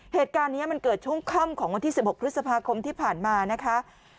เหตุการณ์นี้มันเกิดช่วงค่ำของวันที่๑๖พฤษภาคมที่ผ่านมานะคะ